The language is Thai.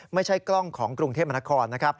ไม่ใช่กล้องของกรุงเทพมนครนะครับ